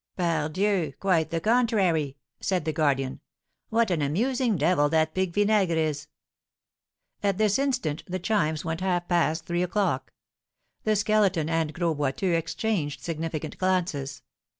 "Pardieu! Quite the contrary," said the guardian. "What an amusing devil that Pique Vinaigre is!" At this instant the chimes went half past three o'clock. The Skeleton and Gros Boiteux exchanged significant glances.